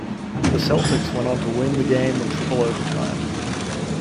The Celtics went on to win the game in triple overtime.